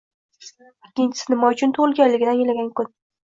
ikkinchisi nima uchun tug‘ilganingni anglagan kun».